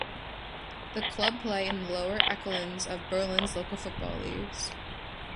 The club play in the lower echelons of Berlin's local football leagues.